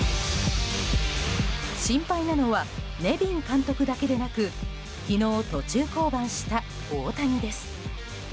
心配なのはネビン監督だけでなく昨日、途中降板した大谷です。